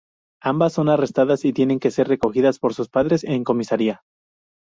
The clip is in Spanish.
Ambas son arrestadas y tienen que ser recogidas por sus padres en comisaría.